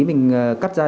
mình cắt ra để